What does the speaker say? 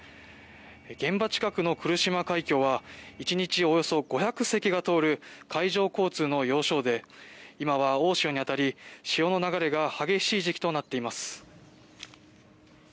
現場近くの来島海峡は１日およそ５００隻が通る海上交通の要衝で今は大潮に当たり潮の流れが激しい時期となっています。